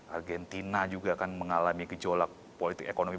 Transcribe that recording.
argentina juga kan mengalami gejolak politik ekonomi